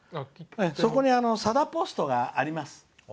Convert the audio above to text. そこに、さだポストがあります。